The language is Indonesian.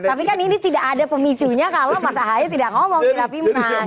tapi kan ini tidak ada pemicunya kalau mas ahaya tidak ngomong tidak pimas